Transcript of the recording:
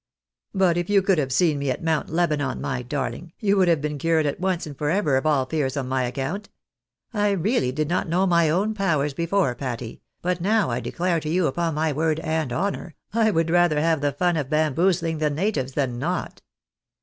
" But if you could have seen me at Mount Lebanon, my darling, you would have been cured at once and for ever of aU fears on my account. I really did not know my own powers before, Patty, but now, I declare to you upon my word and honour, I would rather have the fun of bamboozling the natives than not.